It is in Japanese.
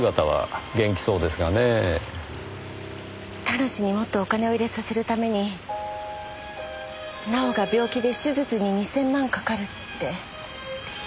田無にもっとお金を入れさせるために奈緒が病気で手術に２０００万かかるって。